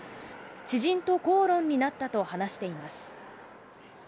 知人と口論になったと話しています。